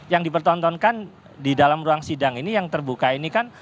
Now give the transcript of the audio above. yang dipertontonkan di dalam ruang sidang ini yang terbuka ini kan